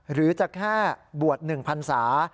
หรือจะแค่บวช๑พันศา